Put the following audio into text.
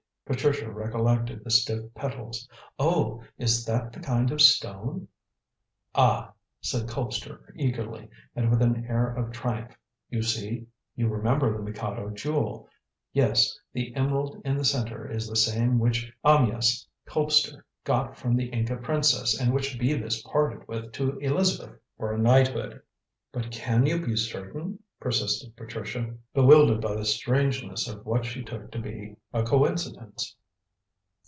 Patricia recollected the stiff petals. "Oh, is that the kind of stone?" "Ah!" said Colpster eagerly and with an air of triumph. "You see, you remember the Mikado Jewel. Yes, the emerald in the centre is the same which Amyas Colpster got from the Inca princess and which Bevis parted with to Elizabeth for a knighthood." "But can you be certain?" persisted Patricia, bewildered by the strangeness of what she took to be a coincidence.